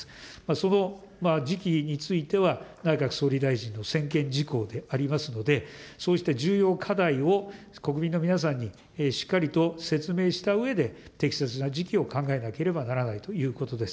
その時期については、内閣総理大臣の専権事項でありますので、そうした重要課題を、国民の皆さんにしっかりと説明したうえで、適切な時期を考えなければならないということです。